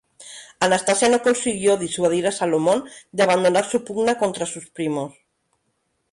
Anastasia no consiguió disuadir a Salomón de abandonar su pugna contra sus primos.